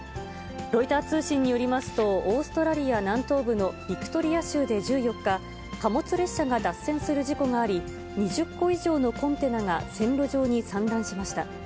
ロイター通信によりますと、オーストラリア南東部のビクトリア州で１４日、貨物列車が脱線する事故があり、２０個以上のコンテナが線路上に散乱しました。